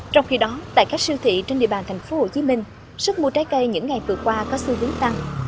trong khi đó tại các siêu thị trên địa bàn thành phố hồ chí minh sức mua trái cây những ngày vừa qua có sự biến tăng